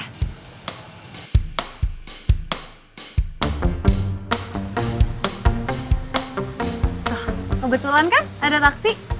kebetulan kan ada raksi